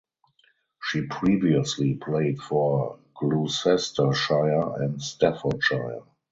She previously played for Gloucestershire and Staffordshire.